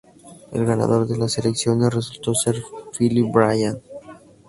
El ganador de las elecciones resultó ser Phil Bryant.